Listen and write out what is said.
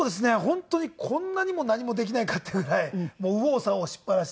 本当にこんなにも何もできないかっていうぐらいもう右往左往しっぱなしで。